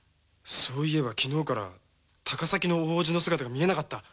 そういえば昨日から高崎の大おじの姿が見えなかった。